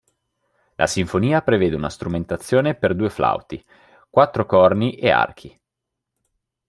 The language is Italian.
La sinfonia prevede una strumentazione per due flauti, quattro corni e archi.